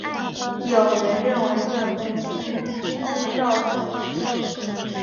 有人认为这跟金星绕日的周期。